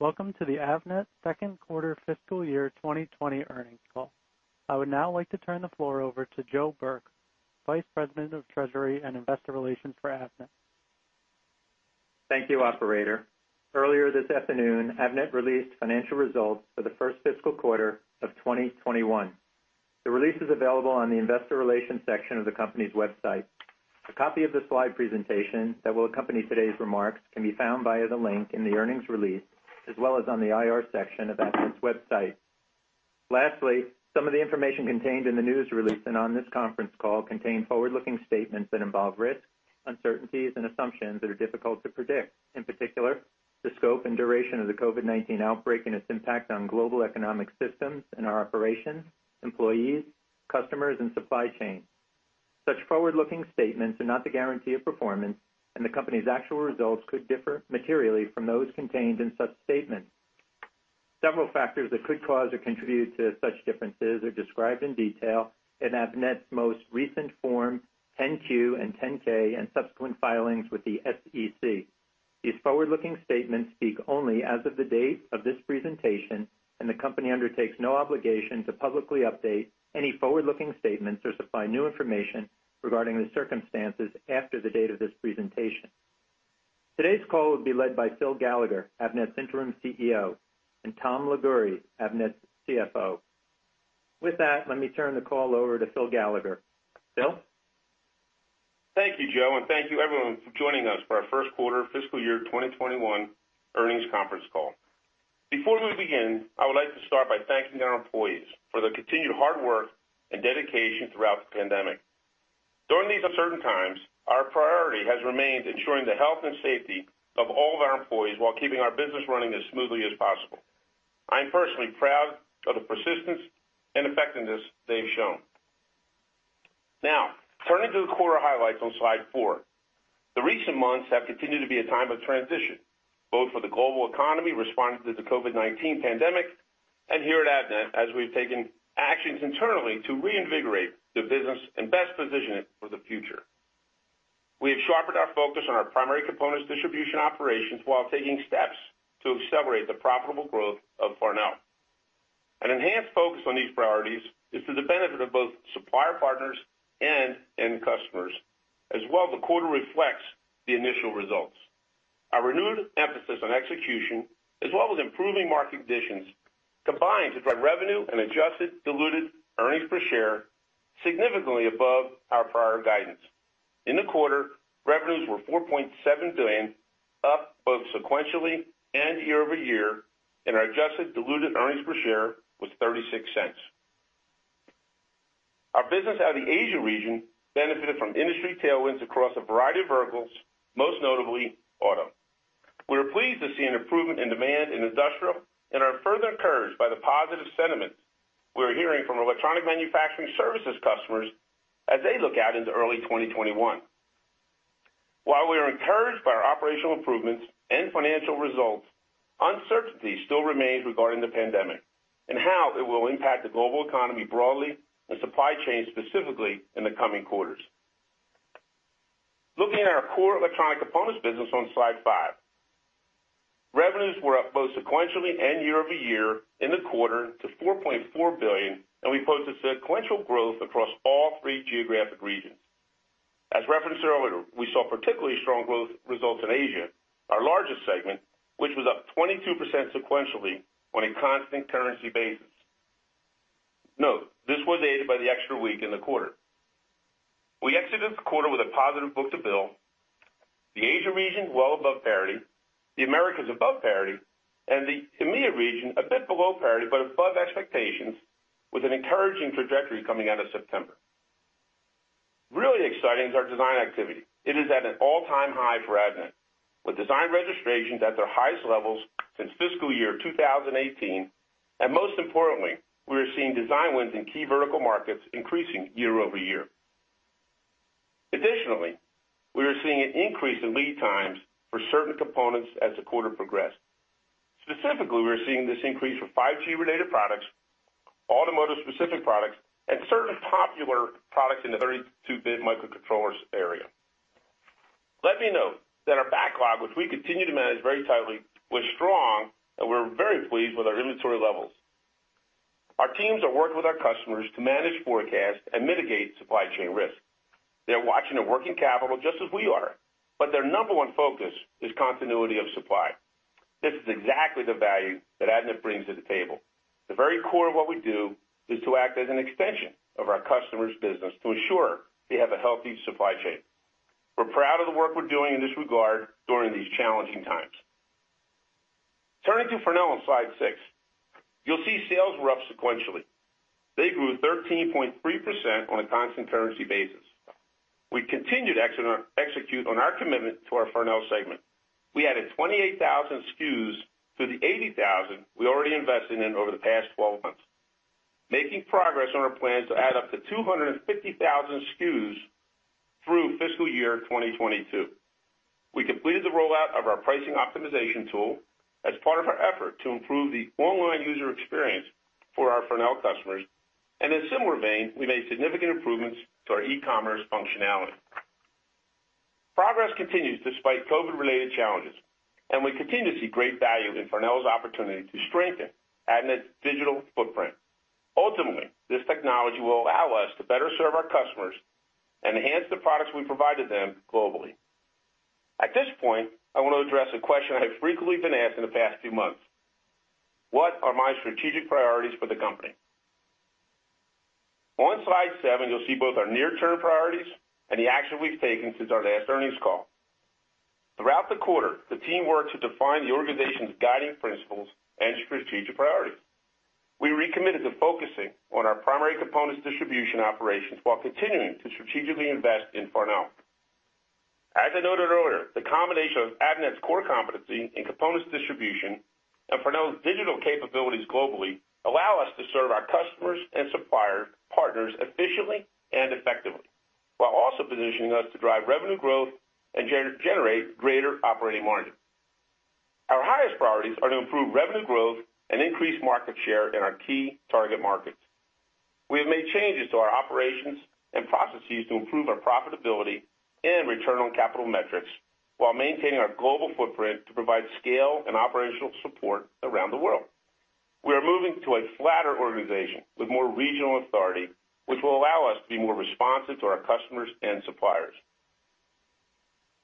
Welcome to the Avnet first quarter fiscal year 2021] earnings call. I would now like to turn the floor over to Joe Burke, Vice President of Treasury and Investor Relations for Avnet. Thank you, operator. Earlier this afternoon, Avnet released financial results for the first fiscal quarter of 2021. The release is available on the Investor Relations section of the company's website. A copy of the slide presentation that will accompany today's remarks can be found via the link in the earnings release, as well as on the IR section of Avnet's website. Lastly, some of the information contained in the news release and on this conference call contain forward-looking statements that involve risks, uncertainties, and assumptions that are difficult to predict, in particular, the scope and duration of the COVID-19 outbreak and its impact on global economic systems and our operations, employees, customers, and supply chain. Such forward-looking statements are not the guarantee of performance, and the company's actual results could differ materially from those contained in such statements. Several factors that could cause or contribute to such differences are described in detail in Avnet's most recent Form 10-Q and 10-K and subsequent filings with the SEC. These forward-looking statements speak only as of the date of this presentation, and the company undertakes no obligation to publicly update any forward-looking statements or supply new information regarding the circumstances after the date of this presentation. Today's call will be led by Phil Gallagher, Avnet's Interim CEO, and Tom Liguori, Avnet's CFO. With that, let me turn the call over to Phil Gallagher. Phil? Thank you, Joe, and thank you everyone for joining us for our first quarter fiscal year 2021 earnings conference call. Before we begin, I would like to start by thanking our employees for their continued hard work and dedication throughout the pandemic. During these uncertain times, our priority has remained ensuring the health and safety of all of our employees while keeping our business running as smoothly as possible. I'm personally proud of the persistence and effectiveness they've shown. Now, turning to the quarter highlights on slide four. The recent months have continued to be a time of transition, both for the global economy responding to the COVID-19 pandemic, and here at Avnet, as we've taken actions internally to reinvigorate the business and best position it for the future. We have sharpened our focus on our primary components distribution operations while taking steps to accelerate the profitable growth of Farnell. An enhanced focus on these priorities is to the benefit of both supplier partners and end customers, as well the quarter reflects the initial results. Our renewed emphasis on execution, as well as improving market conditions, combined to drive revenue and adjusted diluted earnings per share significantly above our prior guidance. In the quarter, revenues were $4.7 billion, up both sequentially and year-over-year, and our adjusted diluted earnings per share was $0.36. Our business out of the Asia region benefited from industry tailwinds across a variety of verticals, most notably auto. We are pleased to see an improvement in demand in industrial and are further encouraged by the positive sentiment we're hearing from electronic manufacturing services customers as they look out into early 2021. While we are encouraged by our operational improvements and financial results, uncertainty still remains regarding the pandemic and how it will impact the global economy broadly and supply chain specifically in the coming quarters. Looking at our core electronic components business on slide five. Revenues were up both sequentially and year-over-year in the quarter to $4.4 billion, and we posted sequential growth across all three geographic regions. As referenced earlier, we saw particularly strong growth results in Asia, our largest segment, which was up 22% sequentially on a constant currency basis. Note, this was aided by the extra week in the quarter. We exited the quarter with a positive book-to-bill. The Asia region well above parity, the Americas above parity, and the EMEA region a bit below parity, but above expectations, with an encouraging trajectory coming out of September. Really exciting is our design activity. It is at an all-time high for Avnet, with design registrations at their highest levels since FY 2018, and most importantly, we are seeing design wins in key vertical markets increasing year-over-year. Additionally, we are seeing an increase in lead times for certain components as the quarter progressed. Specifically, we're seeing this increase for 5G-related products, automotive-specific products, and certain popular products in the 32-bit microcontrollers area. Let me note that our backlog, which we continue to manage very tightly, was strong, and we're very pleased with our inventory levels. Our teams are working with our customers to manage forecasts and mitigate supply chain risk. They're watching their working capital just as we are, but their number one focus is continuity of supply. This is exactly the value that Avnet brings to the table. The very core of what we do is to act as an extension of our customers' business to ensure they have a healthy supply chain. We're proud of the work we're doing in this regard during these challenging times. Turning to Farnell on slide six. You'll see sales were up sequentially. They grew 13.3% on a constant currency basis. We continued to execute on our commitment to our Farnell segment. We added 28,000 SKUs to the 80,000 we already invested in over the past 12 months, making progress on our plan to add up to 250,000 SKUs through fiscal year 2022. We completed the rollout of our pricing optimization tool as part of our effort to improve the online user experience for our Farnell customers. In a similar vein, we made significant improvements to our e-commerce functionality. Progress continues despite COVID-related challenges, and we continue to see great value in Farnell's opportunity to strengthen Avnet's digital footprint. Ultimately, this technology will allow us to better serve our customers and enhance the products we provide to them globally. At this point, I want to address a question I have frequently been asked in the past few months: what are my strategic priorities for the company? On slide seven, you'll see both our near-term priorities and the action we've taken since our last earnings call. Throughout the quarter, the team worked to define the organization's guiding principles and strategic priorities. We recommitted to focusing on our primary components distribution operations while continuing to strategically invest in Farnell. As I noted earlier, the combination of Avnet's core competency in components distribution and Farnell's digital capabilities globally allow us to serve our customers and supplier partners efficiently and effectively, while also positioning us to drive revenue growth and generate greater operating margin. Our highest priorities are to improve revenue growth and increase market share in our key target markets. We have made changes to our operations and processes to improve our profitability and return on capital metrics while maintaining our global footprint to provide scale and operational support around the world. We are moving to a flatter organization with more regional authority, which will allow us to be more responsive to our customers and suppliers.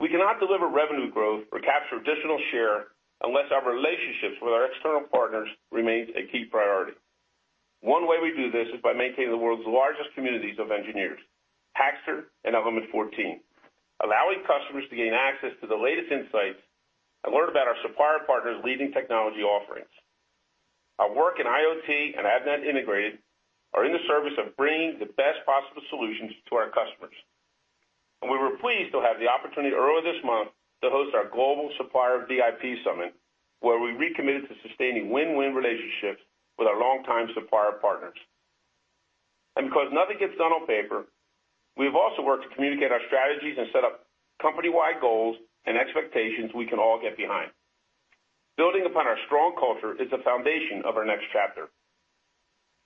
We cannot deliver revenue growth or capture additional share unless our relationships with our external partners remains a key priority. One way we do this is by maintaining the world's largest communities of engineers, Hackster.io And element14, allowing customers to gain access to the latest insights and learn about our supplier partners' leading technology offerings. Our work in IoT and Avnet Integrated are in the service of bringing the best possible solutions to our customers. We were pleased to have the opportunity earlier this month to host our global supplier VIP summit, where we recommitted to sustaining win-win relationships with our longtime supplier partners. Because nothing gets done on paper, we have also worked to communicate our strategies and set up company-wide goals and expectations we can all get behind. Building upon our strong culture is the foundation of our next chapter.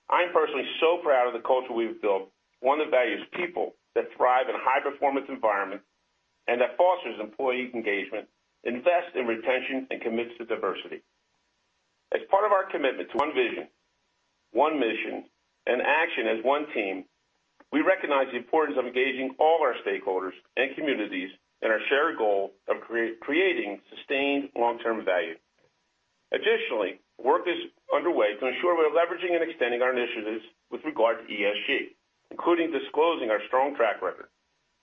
I am personally so proud of the culture we've built, one that values people that thrive in high-performance environments and that fosters employee engagement, invest in retention, and commits to diversity. As part of our commitment to one vision, one mission, and action as one team, we recognize the importance of engaging all our stakeholders and communities in our shared goal of creating sustained long-term value. Work is underway to ensure we are leveraging and extending our initiatives with regard to ESG, including disclosing our strong track record.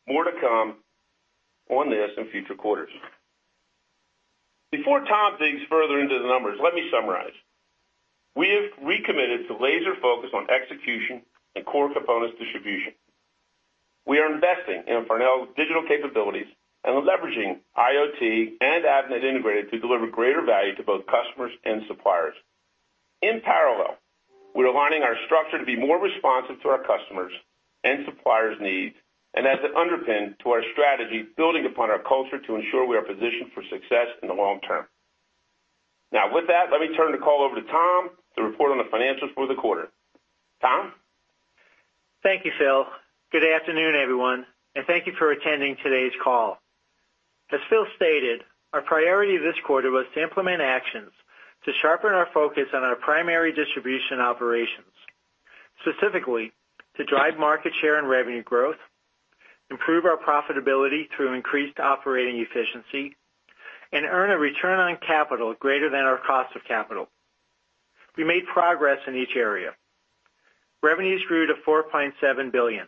More to come on this in future quarters. Before Tom digs further into the numbers, let me summarize. We have recommitted to laser focus on execution and core components distribution. We are investing in Farnell's digital capabilities and leveraging IoT and Avnet Integrated to deliver greater value to both customers and suppliers. In parallel, we're aligning our structure to be more responsive to our customers and suppliers' needs, and as an underpin to our strategy, building upon our culture to ensure we are positioned for success in the long term. Now, with that, let me turn the call over to Tom to report on the financials for the quarter. Tom? Thank you, Phil. Good afternoon, everyone, and thank you for attending today's call. As Phil stated, our priority this quarter was to implement actions to sharpen our focus on our primary distribution operations, specifically to drive market share and revenue growth, improve our profitability through increased operating efficiency, and earn a return on capital greater than our cost of capital. We made progress in each area. Revenues grew to $4.7 billion,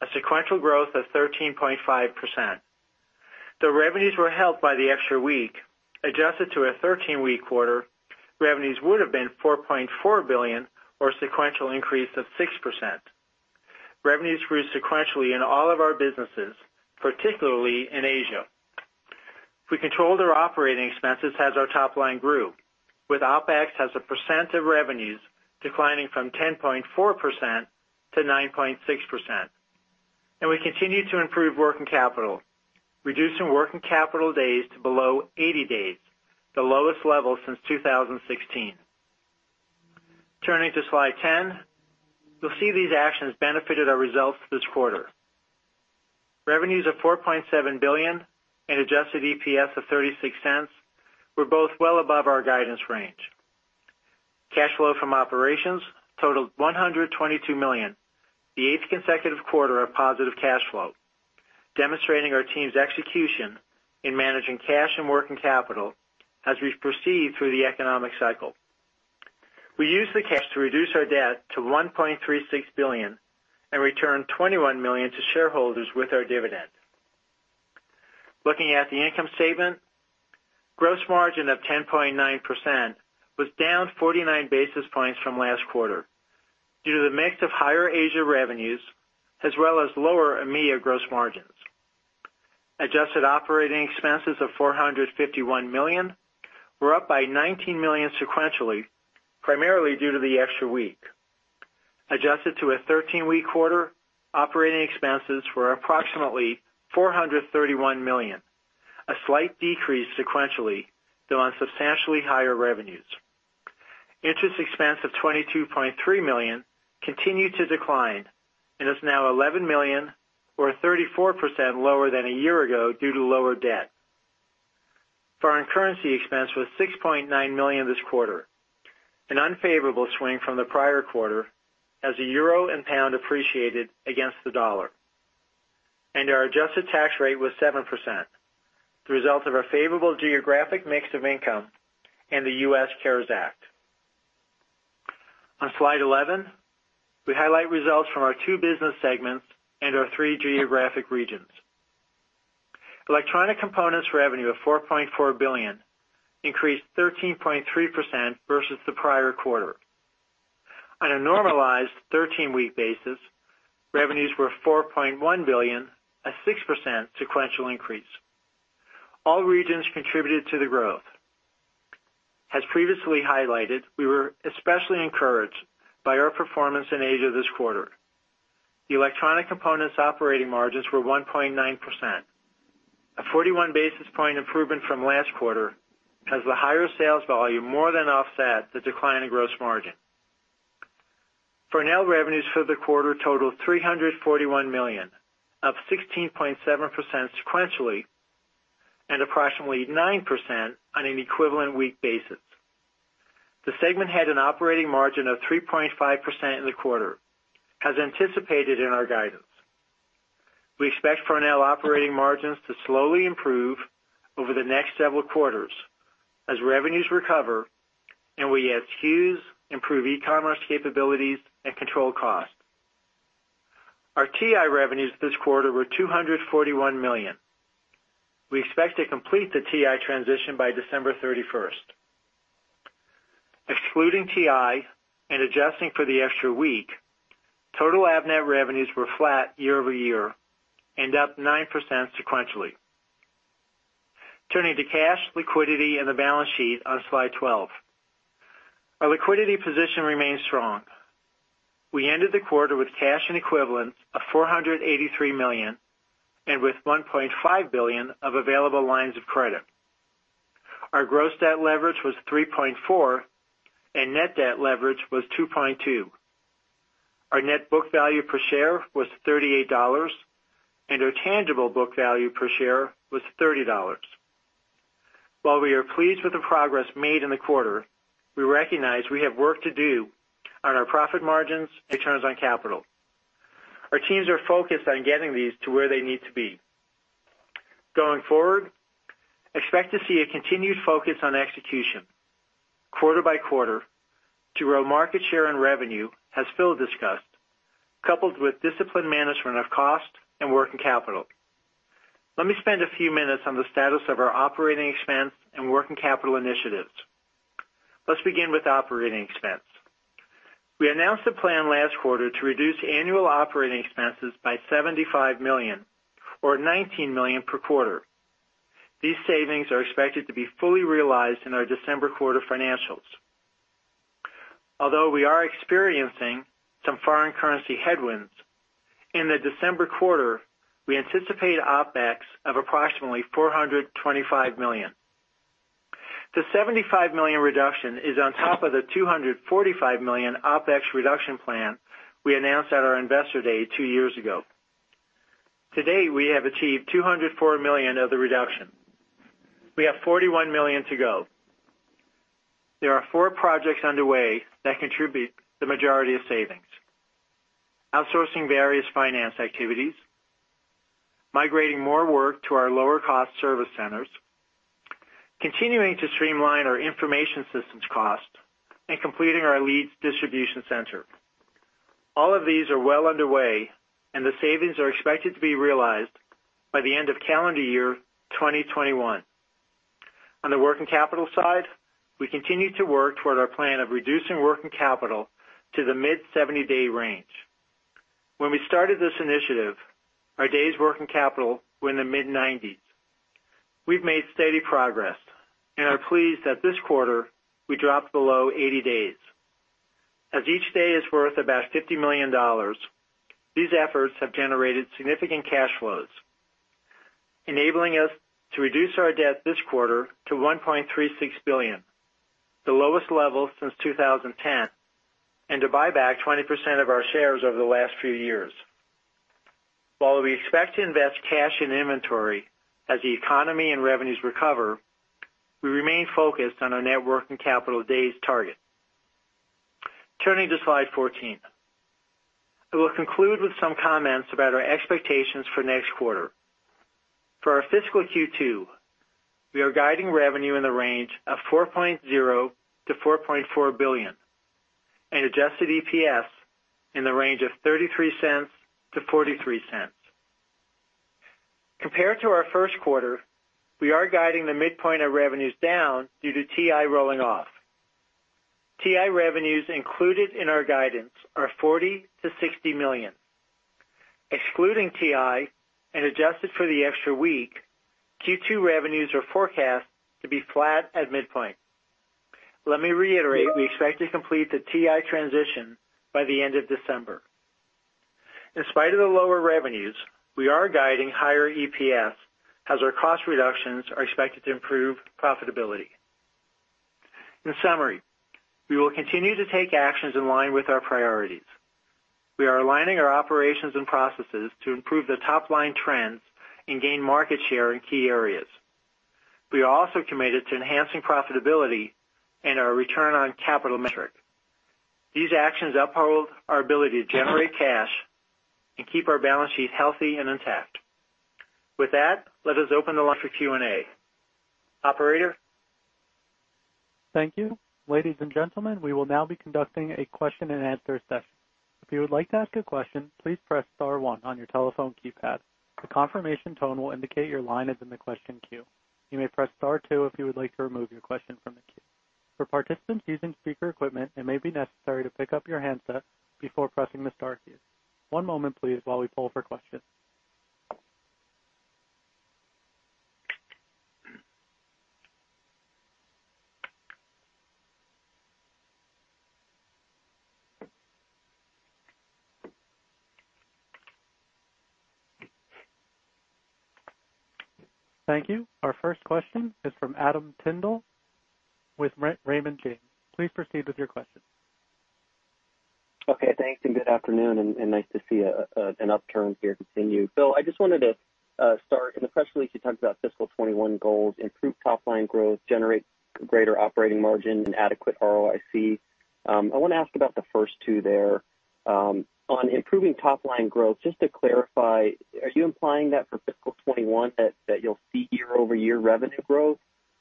a sequential growth of 13.5%. The revenues were helped by the extra week. Adjusted to a 13-week quarter, revenues would've been $4.4 billion or a sequential increase of 6%. Revenues grew sequentially in all of our businesses, particularly in Asia. We controlled our operating expenses as our top line grew, with OpEx as a percent of revenues declining from 10.4% to 9.6%. We continued to improve working capital, reducing working capital days to below 80 days, the lowest level since 2016. Turning to slide 10, you'll see these actions benefited our results this quarter. Revenues of $4.7 billion and adjusted EPS of $0.36 were both well above our guidance range. Cash flow from operations totaled $122 million, the eighth consecutive quarter of positive cash flow, demonstrating our team's execution in managing cash and working capital as we proceed through the economic cycle. We used the cash to reduce our debt to $1.36 billion and returned $21 million to shareholders with our dividends. Looking at the income statement, gross margin of 10.9% was down 49 basis points from last quarter due to the mix of higher Asia revenues, as well as lower EMEA gross margins. Adjusted operating expenses of $451 million were up by $19 million sequentially, primarily due to the extra week. Adjusted to a 13-week quarter, operating expenses were approximately $431 million, a slight decrease sequentially, though on substantially higher revenues. Interest expense of $22.3 million continued to decline, and is now $11 million, or 34% lower than a year ago due to lower debt. Foreign currency expense was $6.9 million this quarter, an unfavorable swing from the prior quarter as the euro and pound appreciated against the dollar. Our adjusted tax rate was 7%, the result of our favorable geographic mix of income and the U.S. CARES Act. On slide 11, we highlight results from our two business segments and our three geographic regions. Electronic components revenue of $4.4 billion increased 13.3% versus the prior quarter. On a normalized 13-week basis, revenues were $4.1 billion, a 6% sequential increase. All regions contributed to the growth. As previously highlighted, we were especially encouraged by our performance in Asia this quarter. The electronic components operating margins were 1.9%, a 41 basis point improvement from last quarter, as the higher sales volume more than offset the decline in gross margin. Farnell revenues for the quarter totaled $341 million, up 16.7% sequentially, and approximately 9% on an equivalent week basis. The segment had an operating margin of 3.5% in the quarter, as anticipated in our guidance. We expect Farnell operating margins to slowly improve over the next several quarters as revenues recover and we add SKUs, improve e-commerce capabilities and control costs. Our TI revenues this quarter were $241 million. We expect to complete the TI transition by December 31st. Excluding TI and adjusting for the extra week, total Avnet revenues were flat year-over-year and up 9% sequentially. Turning to cash liquidity and the balance sheet on slide 12. Our liquidity position remains strong. We ended the quarter with cash and equivalent of $483 million and with $1.5 billion of available lines of credit. Our gross debt leverage was 3.4 and net debt leverage was 2.2. Our net book value per share was $38, and our tangible book value per share was $30. While we are pleased with the progress made in the quarter, we recognize we have work to do on our profit margins and returns on capital. Our teams are focused on getting these to where they need to be. Going forward, expect to see a continued focus on execution quarter by quarter to grow market share and revenue, as Phil discussed, coupled with disciplined management of cost and working capital. Let me spend a few minutes on the status of our operating expense and working capital initiatives. Let's begin with operating expense. We announced a plan last quarter to reduce annual operating expenses by $75 million or $19 million per quarter. These savings are expected to be fully realized in our December quarter financials. Although we are experiencing some foreign currency headwinds, in the December quarter, we anticipate OpEx of approximately $425 million. The $75 million reduction is on top of the $245 million OpEx reduction plan we announced at our investor day two years ago. To date, we have achieved $204 million of the reduction. We have $41 million to go. There are four projects underway that contribute the majority of savings. Outsourcing various finance activities, migrating more work to our lower-cost service centers, continuing to streamline our information systems cost, and completing our Leeds distribution center. All of these are well underway and the savings are expected to be realized by the end of calendar year 2021. On the working capital side, we continue to work toward our plan of reducing working capital to the mid 70-day range. When we started this initiative, our days' working capital were in the mid 90s. We've made steady progress and are pleased that this quarter we dropped below 80 days. As each day is worth about $50 million, these efforts have generated significant cash flows, enabling us to reduce our debt this quarter to $1.36 billion, the lowest level since 2010, and to buy back 20% of our shares over the last few years. While we expect to invest cash in inventory as the economy and revenues recover, we remain focused on our net working capital days target. Turning to slide 14. I will conclude with some comments about our expectations for next quarter. For our fiscal Q2, we are guiding revenue in the range of $4.0 billion-$4.4 billion and adjusted EPS in the range of $0.33-$0.43. Compared to our first quarter, we are guiding the midpoint of revenues down due to TI rolling off. TI revenues included in our guidance are $40 million-$60 million. Excluding TI and adjusted for the extra week, Q2 revenues are forecast to be flat at midpoint. Let me reiterate, we expect to complete the TI transition by the end of December. In spite of the lower revenues, we are guiding higher EPS as our cost reductions are expected to improve profitability. In summary, we will continue to take actions in line with our priorities. We are aligning our operations and processes to improve the top-line trends and gain market share in key areas. We are also committed to enhancing profitability and our return on capital metric. These actions uphold our ability to generate cash and keep our balance sheet healthy and intact. With that, let us open the line for Q&A. Operator? Thank you. Thank you. Our first question is from Adam Tindle with Raymond James. Please proceed with your question. Okay, thanks. Good afternoon, and nice to see an upturn here continue. Phil, I just wanted to start, especially as you talked about fiscal 2021 goals, improve top-line growth, generate greater operating margin and adequate ROIC. I want to ask about the first two there. On improving top-line growth, just to clarify, are you implying that for fiscal 2021 that you'll see year-over-year revenue growth,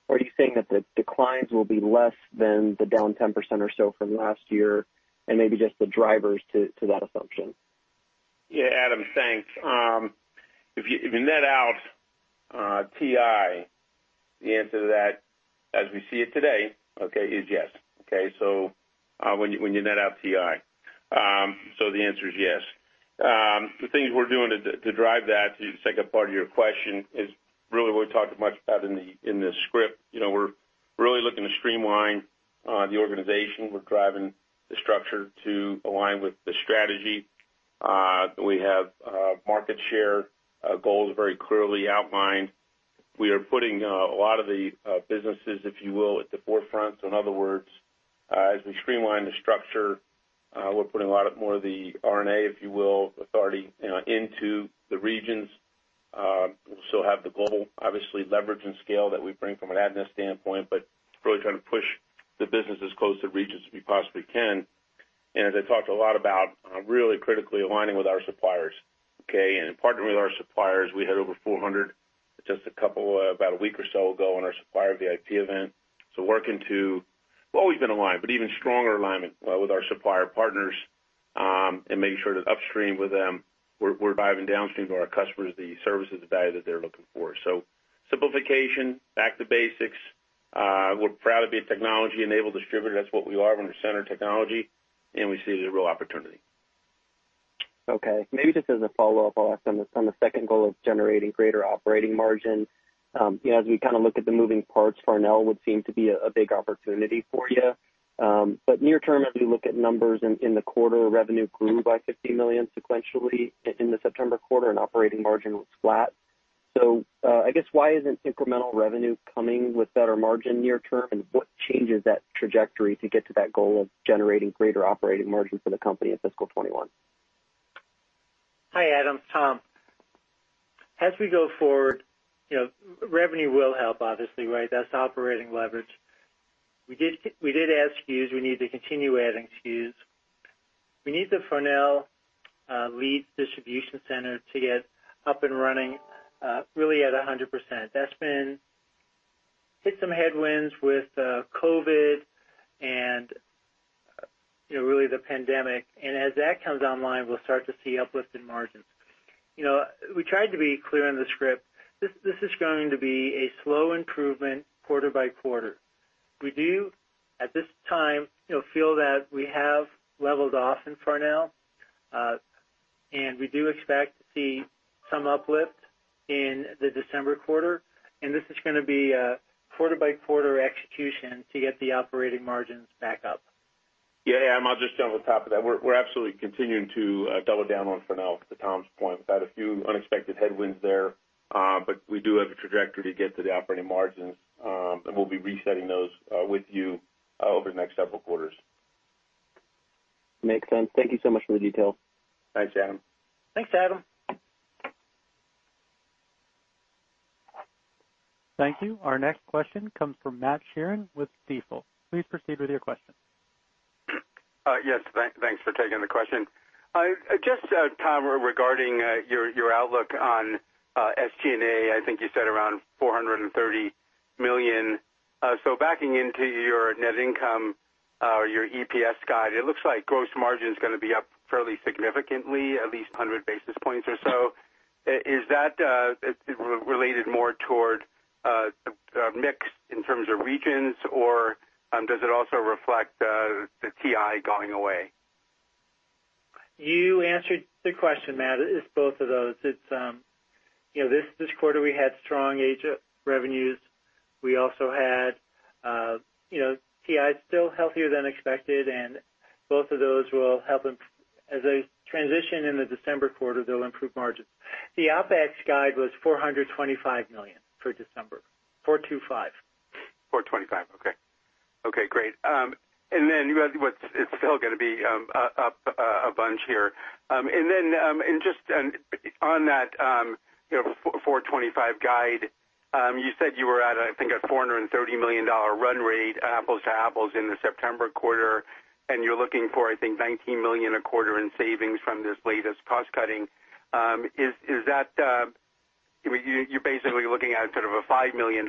or are you saying that the declines will be less than the down 10% or so from last year, and maybe just the drivers to that assumption? Adam, thanks. If you net out TI, the answer to that as we see it today is yes. When you net out TI. The answer is yes. The things we're doing to drive that, to the second part of your question, is really what we talked much about in the script. We're really looking to streamline the organization. We're driving the structure to align with the strategy. We have market share goals very clearly outlined. We are putting a lot of the businesses, if you will, at the forefront. In other words, as we streamline the structure, we're putting a lot more of the R&A, if you will, authority into the regions. We'll still have the global, obviously leverage and scale that we bring from an Avnet standpoint, really trying to push the businesses as close to the regions as we possibly can. As I talked a lot about, really critically aligning with our suppliers. Okay, partnering with our suppliers. We had over 400 just about a week or so ago on our Supplier VIP event. Well, we've been aligned, but even stronger alignment with our supplier partners, and making sure that upstream with them, we're driving downstream to our customers the services and value that they're looking for. Simplification, back to basics. We're proud to be a technology-enabled distributor. That's what we are. We're going to center technology, and we see the real opportunity. Okay. Maybe just as a follow-up, I'll ask on the second goal of generating greater operating margin. As we look at the moving parts, Farnell would seem to be a big opportunity for you. Near term, as we look at numbers in the quarter, revenue grew by $50 million sequentially in the September quarter and operating margin was flat. I guess why isn't incremental revenue coming with better margin near term, and what changes that trajectory to get to that goal of generating greater operating margin for the company in fiscal 2021? Hi, Adam. Tom. As we go forward, revenue will help, obviously, right? That's operating leverage. We did add SKUs. We need to continue adding SKUs. We need the Farnell Leeds distribution center to get up and running really at 100%. That's been hit some headwinds with COVID and really the pandemic. As that comes online, we'll start to see uplift in margins. We tried to be clear on the script. This is going to be a slow improvement quarter by quarter. We do, at this time, feel that we have leveled off in Farnell, and we do expect to see some uplift in the December quarter, and this is going to be a quarter-by-quarter execution to get the operating margins back up. Yeah, Adam, I'll just jump on top of that. We're absolutely continuing to double down on Farnell, to Tom's point. We've had a few unexpected headwinds there, but we do have a trajectory to get to the operating margins, and we'll be resetting those with you over the next several quarters. Makes sense. Thank you so much for the detail. Thanks, Adam. Thanks, Adam. Thank you. Our next question comes from Matt Sheerin with Stifel. Please proceed with your question. Yes, thanks for taking the question. Just, Tom, regarding your outlook on SG&A, I think you said around $430 million. Backing into your net income or your EPS guide, it looks like gross margin's gonna be up fairly significantly, at least 100 basis points or so. Is that related more toward mix in terms of regions, or does it also reflect the TI going away? You answered the question, Matt. It's both of those. This quarter, we had strong Asia revenues. TI is still healthier than expected, and both of those will help. As they transition in the December quarter, they'll improve margins. The OpEx guide was $425 million for December. $425 million. Okay, great. It's still going to be up a bunch here. Just on that 425 guide, you said you were at, I think, a $430 million run rate apples to apples in the September quarter, and you're looking for, I think, $19 million a quarter in savings from this latest cost-cutting. You're basically looking at sort of a $5 million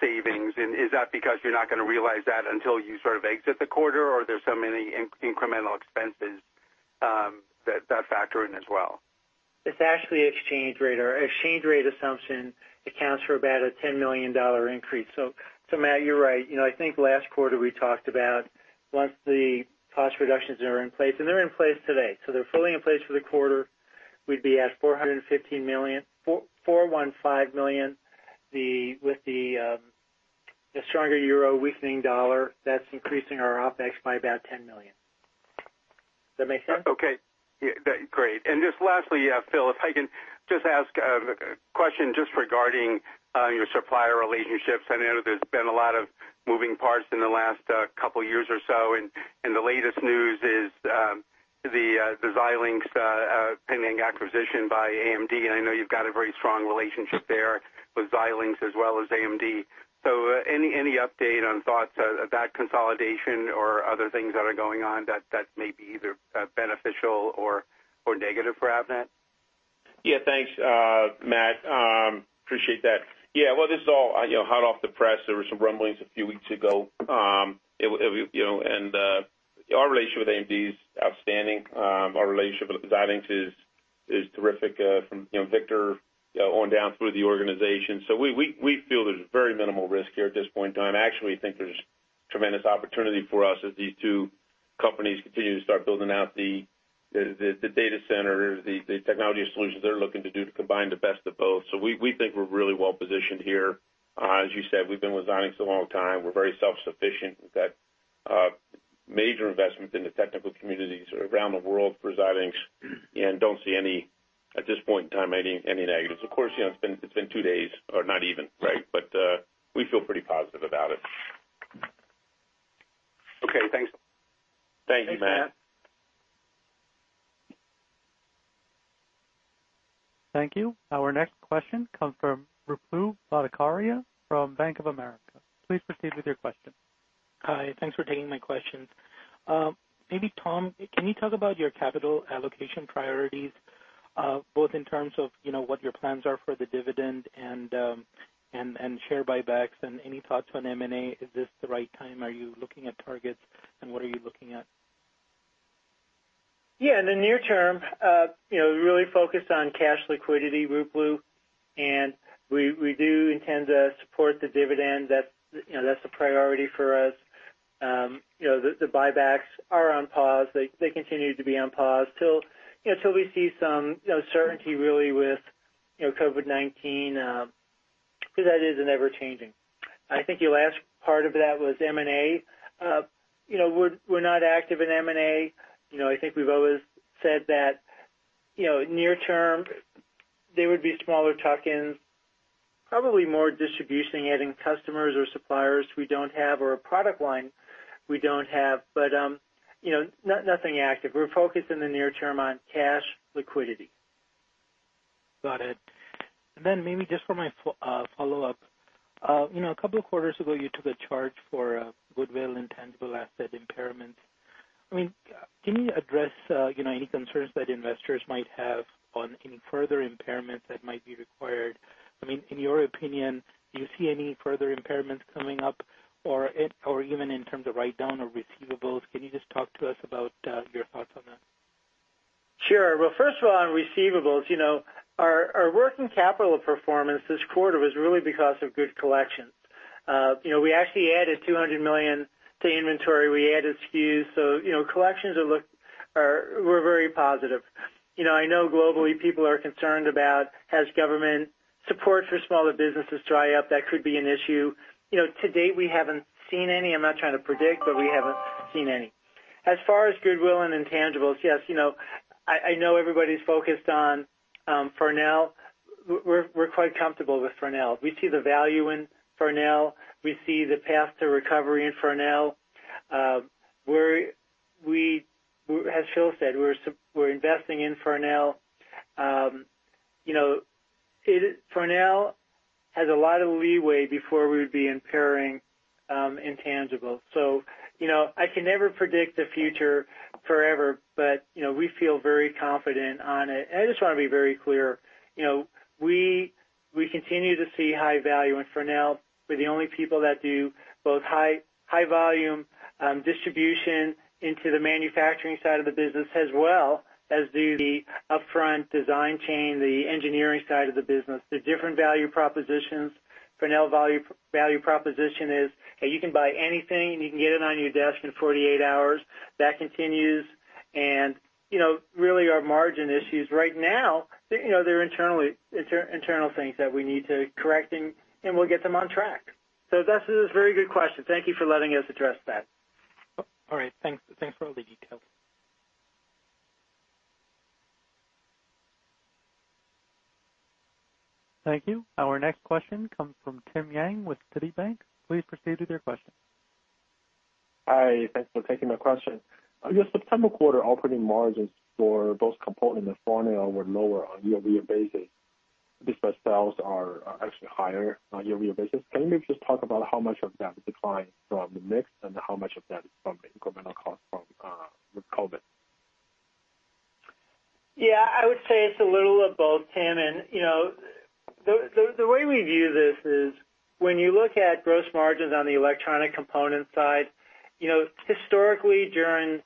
savings. Is that because you're not going to realize that until you sort of exit the quarter, or there's so many incremental expenses that factor in as well? It's actually exchange rate. Our exchange rate assumption accounts for about a $10 million increase. Matt, you're right. I think last quarter, we talked about once the cost reductions are in place, and they're in place today. They're fully in place for the quarter. We'd be at $415 million. With the stronger euro, weakening dollar, that's increasing our OpEx by about $10 million. Does that make sense? Okay. Great. Just lastly, Phil, if I can just ask a question just regarding your supplier relationships. I know there's been a lot of moving parts in the last couple of years or so, and the latest news is the Xilinx pending acquisition by AMD, and I know you've got a very strong relationship there with Xilinx as well as AMD. Any update on thoughts about consolidation or other things that are going on that may be either beneficial or negative for Avnet? Yeah, thanks, Matt. Appreciate that. Yeah, well, this is all hot off the press. Our relationship with AMD is outstanding. Our relationship with Xilinx is terrific from Victor on down through the organization. We feel there's very minimal risk here at this point in time. Actually, we think there's tremendous opportunity for us as these two companies continue to start building out the data centers, the technology and solutions they're looking to do to combine the best of both. We think we're really well-positioned here. As you said, we've been with Xilinx a long time. We're very self-sufficient. We've got major investments in the technical communities around the world for Xilinx, and don't see, at this point in time, any negatives. Of course, it's been two days, or not even, right? We feel pretty positive about it. Okay. Thanks. Thank you, Matt. Thank you. Our next question comes from Ruplu Bhattacharya from Bank of America. Please proceed with your question. Hi. Thanks for taking my questions. Maybe Tom, can you talk about your capital allocation priorities, both in terms of what your plans are for the dividend and share buybacks, and any thoughts on M&A? Is this the right time? Are you looking at targets, and what are you looking at? In the near term we're really focused on cash liquidity, Ruplu, and we do intend to support the dividend. That's the priority for us. The buybacks are on pause. They continue to be on pause till we see some certainty really with COVID-19, because that is an ever-changing. I think your last part of that was M&A. We're not active in M&A. I think we've always said that near term, they would be smaller tuck-ins, probably more distribution, adding customers or suppliers we don't have, or a product line we don't have. Nothing active. We're focused in the near term on cash liquidity. Got it. Then maybe just for my follow-up, a couple of quarters ago, you took a charge for goodwill intangible asset impairment. Can you address any concerns that investors might have on any further impairments that might be required? In your opinion, do you see any further impairments coming up, or even in terms of write-down of receivables? Can you just talk to us about your thoughts on that? Sure. Well, first of all, on receivables, our working capital performance this quarter was really because of good collections. We actually added $200 million to inventory. We added SKUs. Collections were very positive. I know globally people are concerned about as government support for smaller businesses dry up, that could be an issue. To date, we haven't seen any. I'm not trying to predict, we haven't seen any. As far as goodwill and intangibles, yes, I know everybody's focused on Farnell. We're quite comfortable with Farnell. We see the value in Farnell. We see the path to recovery in Farnell. As Phil said, we're investing in Farnell. Farnell has a lot of leeway before we would be impairing intangibles. I can never predict the future forever, we feel very confident on it. I just want to be very clear. We continue to see high value in Farnell. We're the only people that do both high volume distribution into the manufacturing side of the business, as well as do the upfront design chain, the engineering side of the business. They're different value propositions. Farnell value proposition is that you can buy anything, and you can get it on your desk in 48 hours. That continues. Really our margin issues right now, they're internal things that we need to correct, and we'll get them on track. That's a very good question. Thank you for letting us address that. All right. Thanks for all the details. Thank you. Our next question comes from Tim Yang with Citi. Please proceed with your question. Hi. Thanks for taking my question. Your September quarter operating margins for both component and front end were lower on a year-over-year basis despite sales are actually higher on a year-over-year basis. Can you maybe just talk about how much of that decline from the mix and how much of that is from the incremental cost from COVID? Yeah, I would say it's a little of both, Tim. The way we view this is when you look at gross margins on the electronic component side, historically during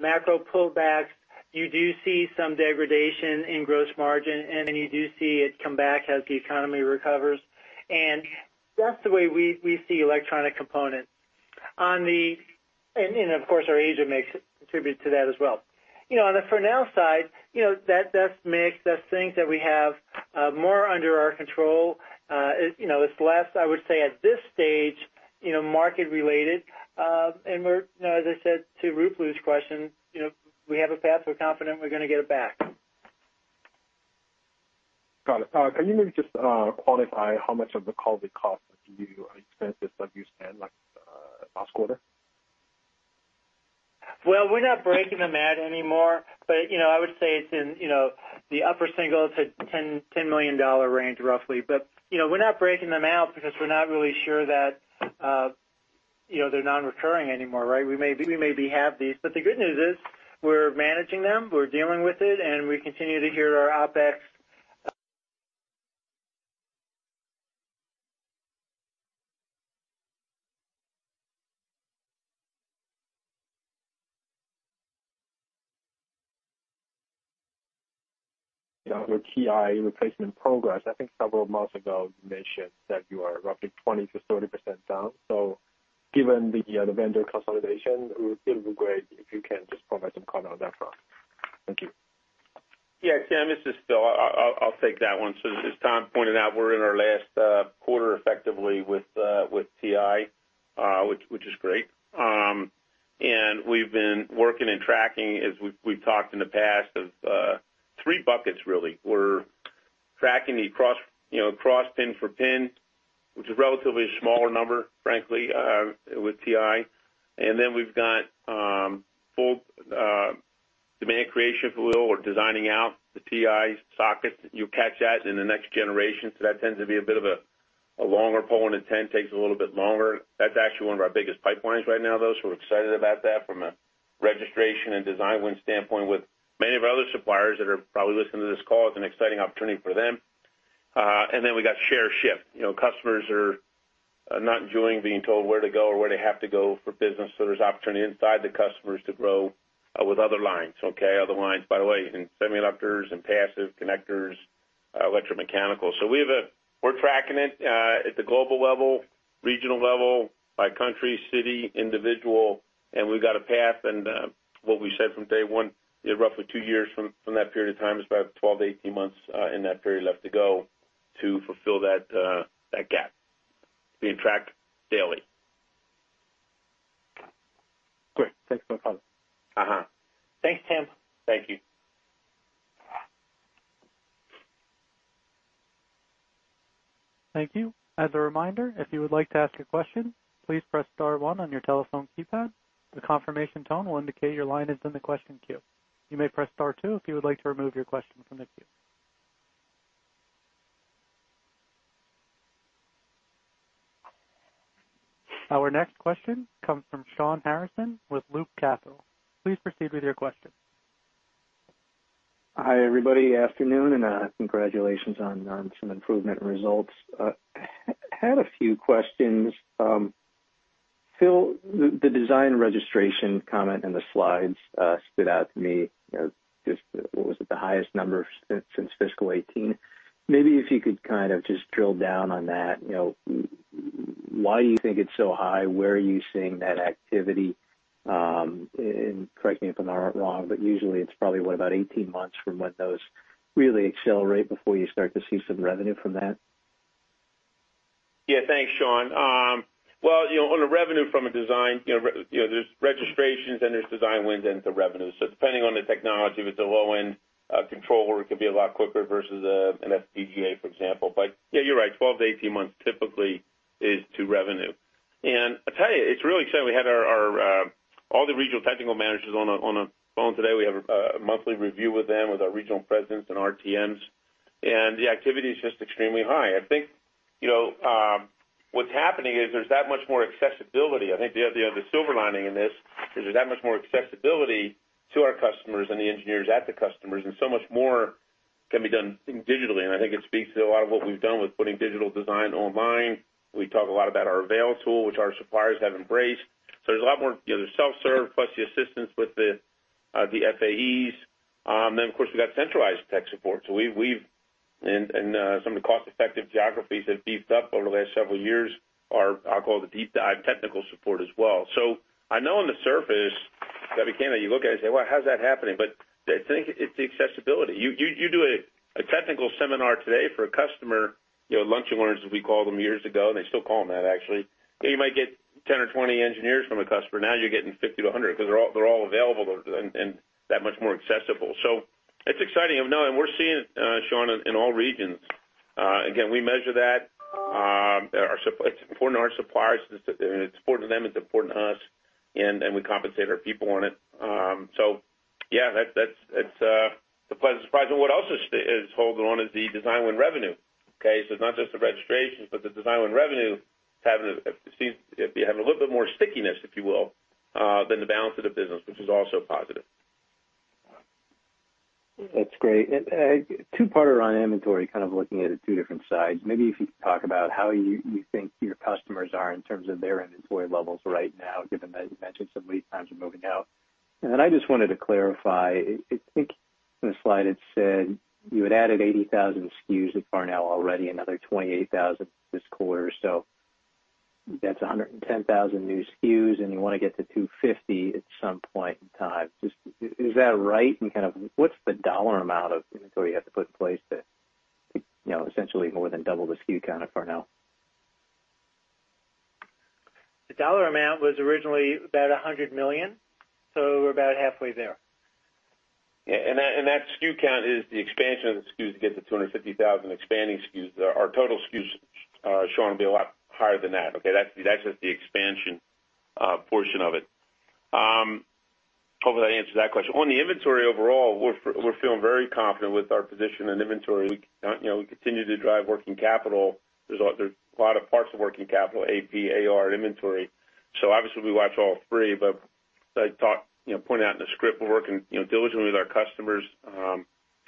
macro pullbacks, you do see some degradation in gross margin, then you do see it come back as the economy recovers. That's the way we see electronic components. Of course, our Asia mix contribute to that as well. On the front-end side, that makes us think that we have more under our control. It's less, I would say, at this stage, market-related. As I said to Ruplu's question, we have a path. We're confident we're going to get it back. Got it. Can you maybe just quantify how much of the COVID cost to you are expenses that you said, like last quarter? We're not breaking them out anymore, but I would say it's in the upper single to $10 million range, roughly. We're not breaking them out because we're not really sure that they're non-recurring anymore, right? We maybe have these, but the good news is we're managing them, we're dealing with it, and we continue to hear our OpEx- On your TI replacement progress, I think a couple of months ago, you mentioned that you are roughly 20%-30% down. Given the vendor consolidation, it would still be great if you can just provide some comment on that front. Thank you. Yeah, Tim, this is Phil. I'll take that one. As Tom pointed out, we're in our last quarter effectively with TI, which is great. We've been working and tracking, as we've talked in the past, of three buckets, really. We're tracking the cross pin for pin, which is a relatively smaller number, frankly, with TI. We've got full demand creation, if you will. We're designing out the TI sockets. You'll catch that in the next generation. That tends to be a bit of a longer pull when it takes a little bit longer. That's actually one of our biggest pipelines right now, though, so we're excited about that from a registration and design win standpoint with many of our other suppliers that are probably listening to this call. It's an exciting opportunity for them. Then we got share shift. Customers are not enjoying being told where to go or where they have to go for business. There's opportunity inside the customers to grow with other lines. Okay? Other lines, by the way, in semiconductors and passive connectors, electromechanical. We're tracking it at the global level, regional level, by country, city, individual, and we've got a path. What we said from day one, roughly two years from that period of time is about 12-18 months in that period left to go to fulfill that gap being tracked daily. Great. Thanks for the comment. Thanks, Tim. Thank you. Thank you. Our next question comes from Shawn Harrison with Loop Capital. Please proceed with your question. Hi, everybody. Afternoon, congratulations on some improvement in results. Had a few questions. Phil, the design registration comment in the slides stood out to me. What was it, the highest number since FY 2018? Maybe if you could kind of just drill down on that. Why you think it's so high? Where are you seeing that activity? Correct me if I'm wrong, but usually it's probably, what, about 18 months from when those really accelerate before you start to see some revenue from that? Thanks, Shawn. On the revenue from a design, there's registrations and there's design wins and the revenue. Depending on the technology, if it's a low-end controller, it could be a lot quicker versus an FPGA, for example. You're right, 12-18 months typically is to revenue. I'll tell you, it's really exciting. We had all the Regional Technology Managers on the phone today. We have a monthly review with them, with our regional presidents and RTMs, the activity is just extremely high. I think what's happening is there's that much more accessibility. I think the other silver lining in this is there's that much more accessibility to our customers and the engineers at the customers, so much more can be done digitally. I think it speaks to a lot of what we've done with putting digital design online. We talk a lot about our AVAIL tool, which our suppliers have embraced. There's a lot more. There's self-serve plus the assistance with the FAEs. Of course, we got centralized tech support. And some of the cost-effective geographies have beefed up over the last several years are, I'll call it the deep dive technical support as well. I know on the surface, [Gabby, Ken], you look at it and say, "Well, how's that happening?" I think it's the accessibility. You do a technical seminar today for a customer, Lunch and Learns, as we called them years ago, and they still call them that actually. You might get 10 or 20 engineers from a customer. Now you're getting 50-100 because they're all available and that much more accessible. It's exciting. No, we're seeing it, Shawn, in all regions. Again, we measure that. It's important to our suppliers. It's important to them, it's important to us, and we compensate our people on it. Yeah, that's a pleasant surprise. What else is holding on is the design win revenue. Okay, it's not just the registrations, but the design win revenue seems to be having a little bit more stickiness, if you will, than the balance of the business, which is also positive. That's great. A two-parter on inventory, kind of looking at it two different sides. Maybe if you could talk about how you think your customers are in terms of their inventory levels right now, given that you mentioned some lead times are moving out? Then I just wanted to clarify, I think in the slide it said you had added 80,000 SKUs at Farnell already, another 28,000 this quarter. That's 110,000 new SKUs, and you want to get to 250 at some point in time. Is that right? What's the dollar amount of inventory you have to put in place to essentially more than double the SKU count at Farnell? The dollar amount was originally about $100 million, so we're about halfway there. Yeah. That SKU count is the expansion of the SKUs to get to 250,000 expanding SKUs. Our total SKUs, Shawn, will be a lot higher than that. Okay? That's just the expansion portion of it. Hopefully, that answers that question. On the inventory overall, we're feeling very confident with our position in inventory. We continue to drive working capital. There's a lot of parts of working capital, AP, AR, and inventory. Obviously, we watch all three, but as I pointed out in the script, we're working diligently with our customers.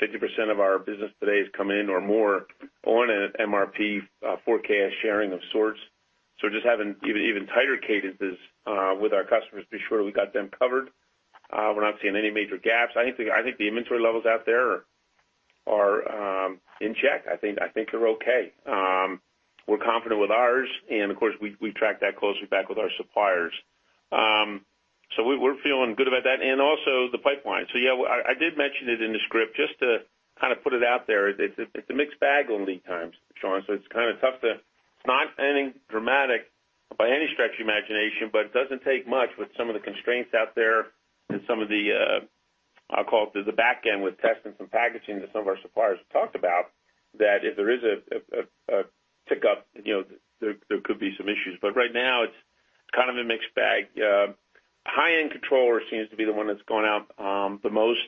50% of our business today is coming in or more on an MRP forecast sharing of sorts. Just having even tighter cadences with our customers to be sure we got them covered. We're not seeing any major gaps. I think the inventory levels out there are in check. I think they're okay. We're confident with ours, and of course, we track that closely back with our suppliers. We're feeling good about that. Also the pipeline. Yeah, I did mention it in the script, just to kind of put it out there. It's a mixed bag on lead times, Shawn. It's not anything dramatic by any stretch of the imagination, but it doesn't take much with some of the constraints out there and some of the, I'll call it the back end with testing some packaging that some of our suppliers have talked about, that if there is a tick up, there could be some issues. Right now, it's kind of a mixed bag. High-end controller seems to be the one that's going out the most,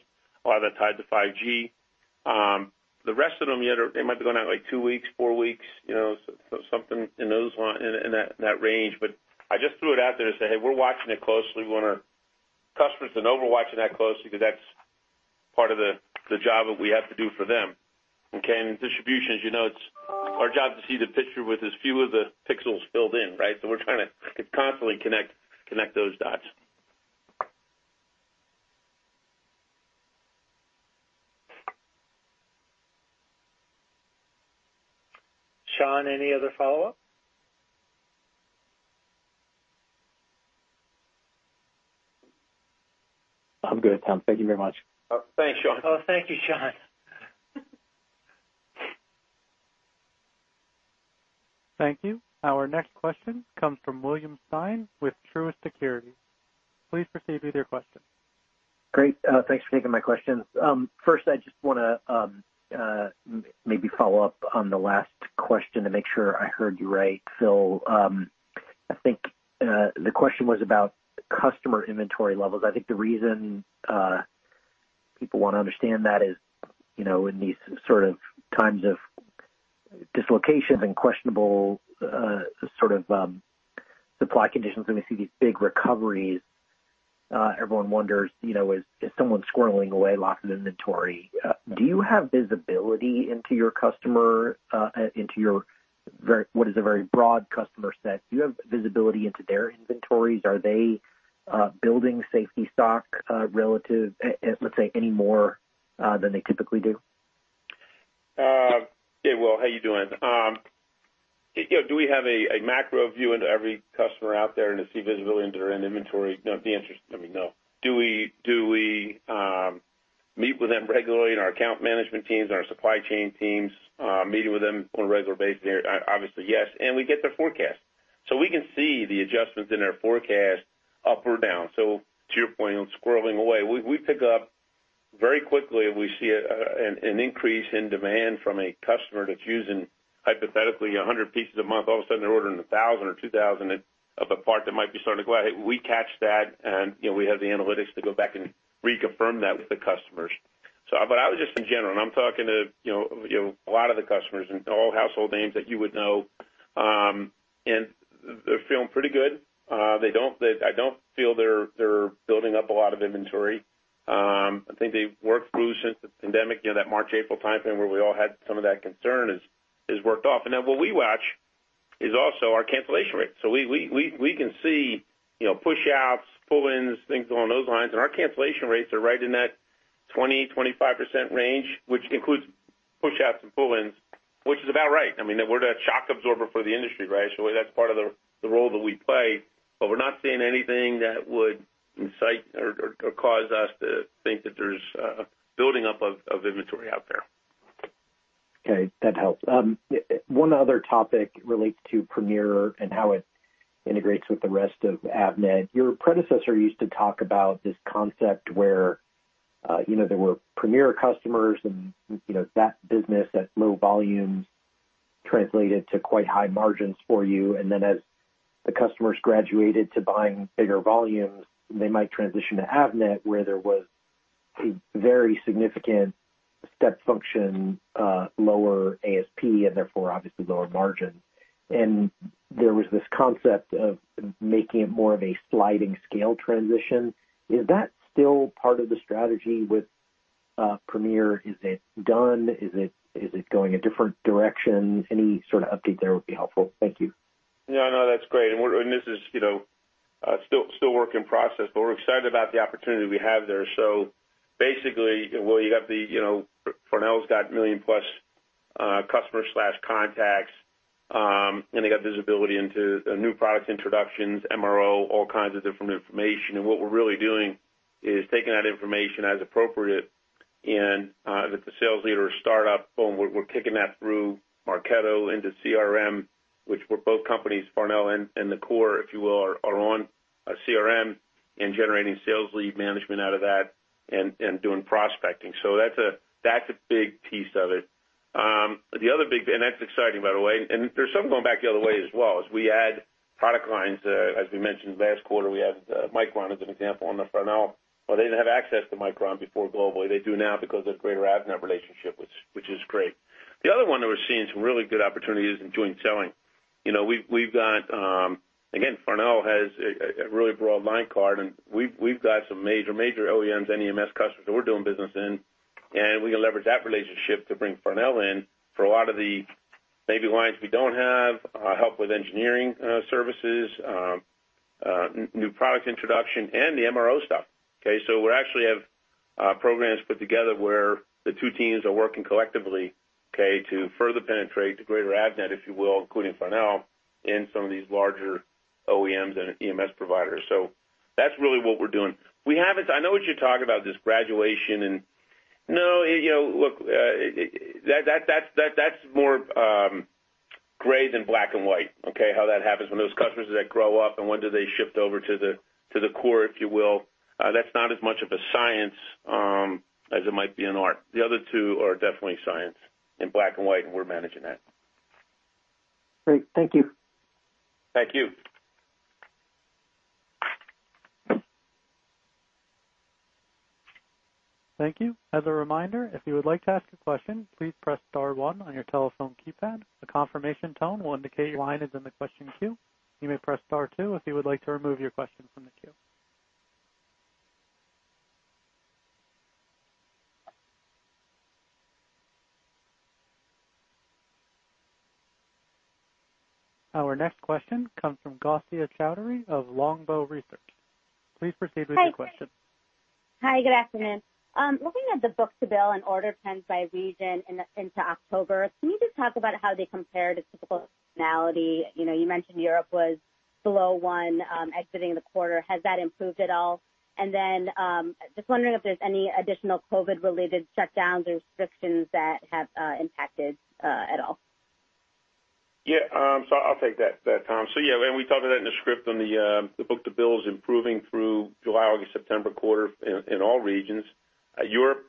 a lot of that tied to 5G. The rest of them, they might be going out two weeks, four weeks, something in that range. I just threw it out there to say, "Hey, we're watching it closely." We want our customers to know we're watching that closely because that's part of the job that we have to do for them. Okay. In distribution, as you know, it's our job to see the picture with as few of the pixels filled in, right? We're trying to constantly connect those dots. Shawn, any other follow-up? I'm good, Tom. Thank you very much. Thanks, Shawn. Thank you, Shawn. Thank you. Our next question comes from William Stein with Truist Securities. Please proceed with your question. Great. Thanks for taking my questions. First, I just want to maybe follow up on the last question to make sure I heard you right. I think the question was about customer inventory levels. I think the reason people want to understand that is, in these sort of times of dislocations and questionable sort of supply conditions, and we see these big recoveries, everyone wonders, is someone squirreling away lots of inventory? Do you have visibility into your customer, into what is a very broad customer set? Do you have visibility into their inventories? Are they building safety stock relative, let's say, any more than they typically do? Yeah, Will, how you doing? Do we have a macro view into every customer out there and to see visibility into their end inventory? The answer is going to be no. Do we meet with them regularly in our account management teams and our supply chain teams, meeting with them on a regular basis? Obviously, yes. We get their forecast. We can see the adjustments in their forecast up or down. To your point on squirreling away, we pick up very quickly if we see an increase in demand from a customer that's using, hypothetically, 100 pieces a month, all of a sudden, they're ordering 1,000 or 2,000 of a part that might be starting to go out. We catch that, and we have the analytics to go back and reconfirm that with the customers. I was just in general, and I'm talking to a lot of the customers and all household names that you would know, and they're feeling pretty good. I don't feel they're building up a lot of inventory. I think they worked through since the pandemic, that March, April timeframe where we all had some of that concern is worked off. What we watch is also our cancellation rate. We can see push outs, pull-ins, things along those lines, and our cancellation rates are right in that 20%-25% range, which includes push-outs and pull-ins, which is about right. I mean, we're the shock absorber for the industry, right? That's part of the role that we play. We're not seeing anything that would incite or cause us to think that there's a building up of inventory out there. Okay, that helps. One other topic relates to Premier and how it integrates with the rest of Avnet. Your predecessor used to talk about this concept where there were Premier customers and that business at low volumes translated to quite high margins for you, then as the customers graduated to buying bigger volumes, they might transition to Avnet, where there was a very significant step function, lower ASP, and therefore, obviously, lower margin. There was this concept of making it more of a sliding scale transition. Is that still part of the strategy with Premier? Is it done? Is it going a different direction? Any sort of update there would be helpful. Thank you. This is still work in process, but we're excited about the opportunity we have there. Basically, Farnell's got a million+ customer/contacts, and they got visibility into new product introductions, MRO, all kinds of different information. What we're really doing is taking that information as appropriate in, with the sales leader startup, boom, we're kicking that through Marketo into CRM, which we're both companies, Farnell and the core, if you will, are on a CRM and generating sales lead management out of that and doing prospecting. That's a big piece of it. That's exciting, by the way. There's some going back the other way as well, as we add product lines. As we mentioned last quarter, we added Micron as an example on the Farnell. They didn't have access to Micron before globally. They do now because of greater Avnet relationship, which is great. The other one that we're seeing some really good opportunities is in joint selling. Farnell has a really broad line card, and we've got some major OEMs and EMS customers that we're doing business in, and we can leverage that relationship to bring Farnell in for a lot of the maybe lines we don't have, help with engineering services, new product introduction, and the MRO stuff. Okay? We actually have programs put together where the two teams are working collectively, to further penetrate the greater Avnet, if you will, including Farnell, in some of these larger OEMs and EMS providers. That's really what we're doing. I know what you're talking about, this graduation. No, look, that's more gray than black and white. How that happens when those customers that grow up and when do they shift over to the core, if you will. That's not as much of a science as it might be an art. The other two are definitely science in black and white, and we're managing that. Great. Thank you. Thank you. Thank you. As a reminder, if you would like to ask a question, please press star one on your telephone keypad. Our next question comes from Gausia Chowdhury of Longbow Research. Please proceed with your question. Hi, good afternoon. Looking at the book-to-bill and order trends by region into October, can you just talk about how they compare to typical seasonality? You mentioned Europe was below one exiting the quarter. Has that improved at all? Just wondering if there's any additional COVID-related shutdowns or restrictions that have impacted at all? Yeah. I'll take that, Tom. Yeah, we talked about that in the script on the book-to-bill is improving through July, August, September quarter in all regions. Europe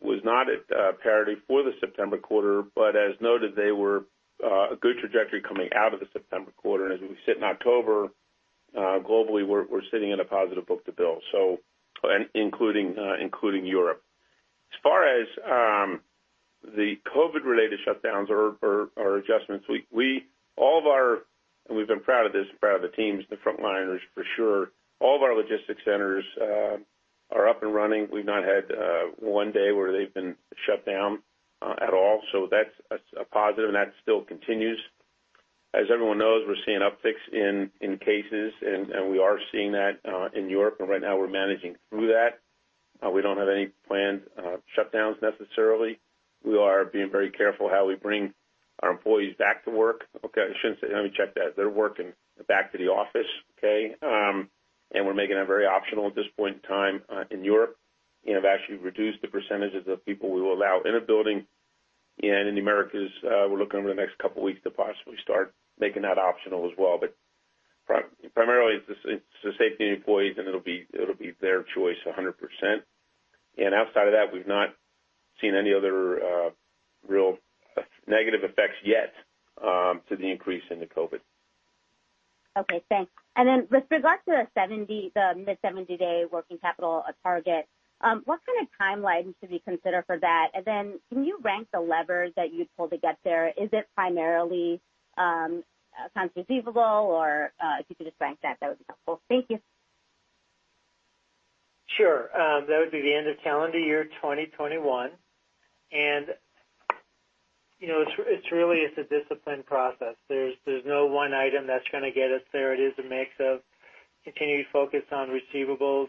was not at parity for the September quarter, as noted, they were a good trajectory coming out of the September quarter. As we sit in October, globally, we're sitting in a positive book-to-bill, including Europe. As far as the COVID-related shutdowns or adjustments, we've been proud of this, proud of the teams, the frontliners for sure. All of our logistics centers are up and running. We've not had one day where they've been shut down at all. That's a positive, that still continues. As everyone knows, we're seeing upticks in cases, we are seeing that in Europe. Right now, we're managing through that. We don't have any planned shutdowns necessarily. We are being very careful how we bring our employees back to work. Okay. Let me check that. They're working back to the office. Okay? We're making that very optional at this point in time in Europe, and have actually reduced the percentage of people we will allow in a building. In the Americas, we're looking over the next couple of weeks to possibly start making that optional as well. Primarily, it's the safety of the employees, and it'll be their choice 100%. Outside of that, we've not seen any other real negative effects yet to the increase in the COVID-19. Okay, thanks. With regard to the mid-70-day working capital target, what kind of timeline should we consider for that? Can you rank the levers that you'd pull to get there? Is it primarily accounts receivable? If you could just rank that would be helpful. Thank you. Sure. That would be the end of calendar year 2021. It's really a disciplined process. There's no one item that's going to get us there. It is a mix of continued focus on receivables,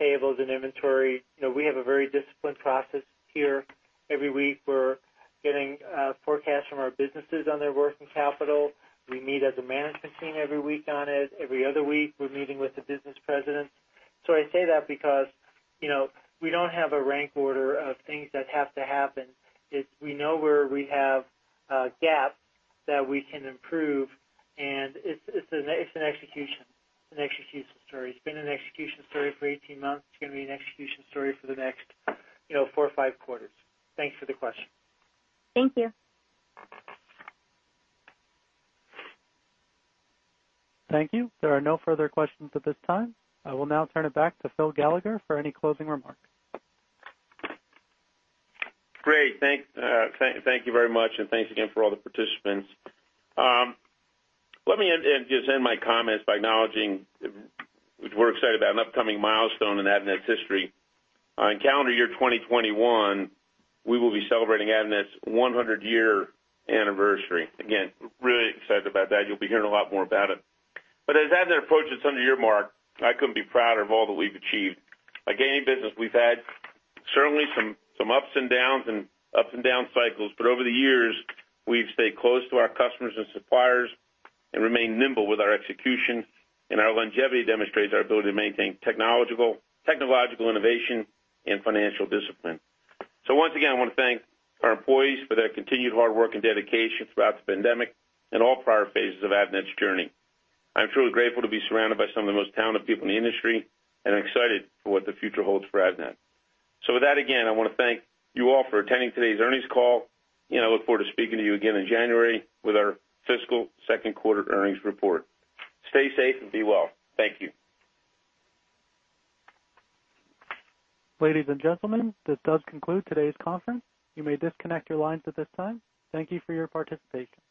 payables, and inventory. We have a very disciplined process here. Every week, we're getting forecasts from our businesses on their working capital. We meet as a management team every week on it. Every other week, we're meeting with the business presidents. I say that because we don't have a rank order of things that have to happen. We know where we have gaps that we can improve, and it's an execution story. It's been an execution story for 18 months. It's going to be an execution story for the next four or five quarters. Thanks for the question. Thank you. Thank you. There are no further questions at this time. I will now turn it back to Phil Gallagher for any closing remarks Great. Thank you very much, and thanks again for all the participants. Let me just end my comments by acknowledging we're excited about an upcoming milestone in Avnet's history. In calendar year 2021, we will be celebrating Avnet's 100-year anniversary. Again, really excited about that. You'll be hearing a lot more about it. As Avnet approaches its 100-year mark, I couldn't be prouder of all that we've achieved. Like any business, we've had certainly some ups and downs and ups and down cycles, but over the years, we've stayed close to our customers and suppliers and remained nimble with our execution, and our longevity demonstrates our ability to maintain technological innovation and financial discipline. Once again, I want to thank our employees for their continued hard work and dedication throughout the pandemic and all prior phases of Avnet's journey. I'm truly grateful to be surrounded by some of the most talented people in the industry and excited for what the future holds for Avnet. With that, again, I want to thank you all for attending today's earnings call, and I look forward to speaking to you again in January with our fiscal second quarter earnings report. Stay safe and be well. Thank you. Ladies and gentlemen, this does conclude today's conference. You may disconnect your lines at this time. Thank you for your participation.